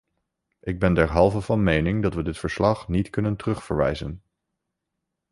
Ik ben derhalve van mening dat we dit verslag niet kunnen terugverwijzen.